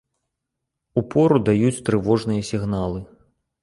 Упору даюць трывожныя сігналы.